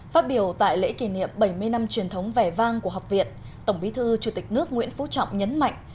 phát biểu tại lễ kỷ niệm bảy mươi năm truyền thống vẻ vang của học viện tổng bí thư chủ tịch nước nguyễn phú trọng nhấn mạnh